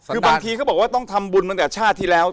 คือบางทีเขาบอกว่าต้องทำบุญตั้งแต่ชาติที่แล้ว